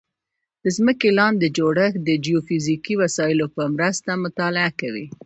د ځمکې لاندې جوړښت د جیوفزیکي وسایلو په مرسته مطالعه کوي